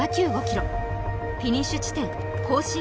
フィニッシュ地点・弘進